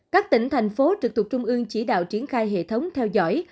các tỉnh thành phố trực thuộc trung ương chỉ đạo triển khai hệ thống theo dõi